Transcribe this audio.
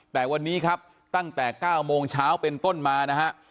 แต่วันนี้ครับตั้งแต่๙โมงเช้าเป็นต้นมานะฮะ